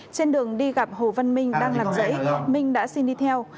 trên đường đi gặp hồ văn minh đang làm dãy minh đã xin đi theo